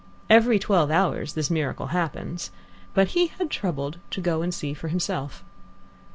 Every twelve hours this miracle happens, but he had troubled to go and see for himself.